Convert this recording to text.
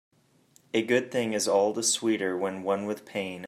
A good thing is all the sweeter when won with pain.